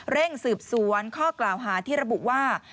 เร่งสืบสวนข้อกล่าวหาที่ระบุว่า